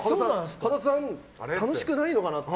羽田さん、楽しくないのかなって。